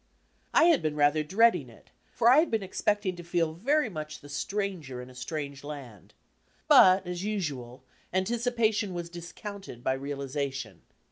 I had been rather dreading it, for I had been expecting to feet very much the stranger in a strange land. But, as usual, anticipation was discounted by realiza tion.